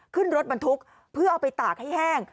ขึ้นรถบรรทุกเพื่อเอาไปตากให้แห้ง